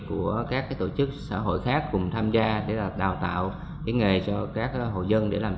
của các tổ chức xã hội khác cùng tham gia để đào tạo cái nghề cho các hồ dân để làm